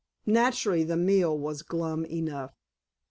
Naturally, the meal was glum enough.